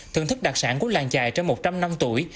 thưởng thức đặc sản của làng chài trên một trăm linh năm tuổi